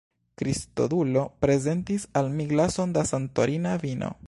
Kristodulo prezentis al mi glason da Santorina vino.